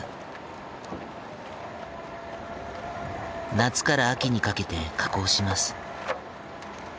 夏から秋にかけて加工します。